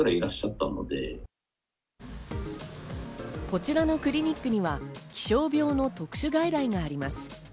こちらのクリニックには気象病の特殊外来があります。